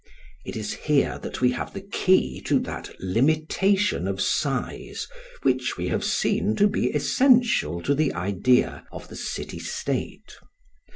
It is here that we have the key to that limitation of size which we have seen to be essential to the idea of the city state.